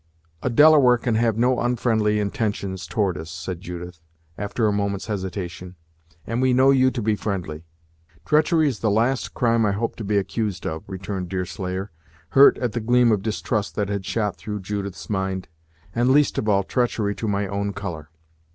"A Delaware can have no unfriendly intentions towards us," said Judith, after a moment's hesitation, "and we know you to be friendly." "Treachery is the last crime I hope to be accused of," returned Deerslayer, hurt at the gleam of distrust that had shot through Judith's mind; "and least of all, treachery to my own color."